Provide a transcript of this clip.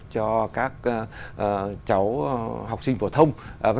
cho các cháu học sinh phổ thông